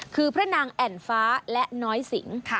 คือพระนางแอ่นฟ้าและน้อยสิง